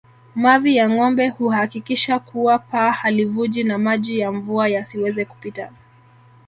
Mavi ya ngombe huhakikisha kuwa paa halivuji na maji ya mvua yasiweze kupita